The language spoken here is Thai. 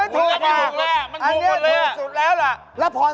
ผมมาเลยครับผม